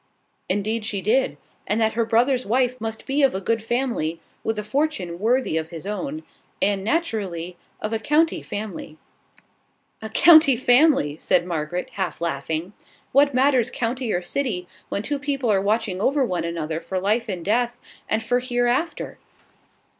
"Indeed she did: and that her brother's wife must be of a good family, with a fortune worthy of his own; and, naturally, of a county family." "A county family!" said Margaret, half laughing. "What matters county or city, when two people are watching over one another for life and death, and for hereafter?"